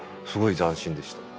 すごい斬新でした。